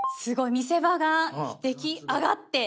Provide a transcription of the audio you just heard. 見せ場が出来上がってきました。